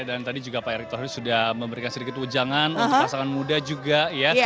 dan tadi juga pak erik sudah memberikan sedikit ujangan untuk pasangan muda juga ya